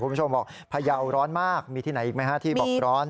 คุณผู้ชมบอกพยาวร้อนมากมีที่ไหนอีกไหมฮะที่บอกร้อน